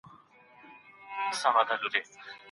هر مؤمن ته به طيب ژوند ورکړل سي؟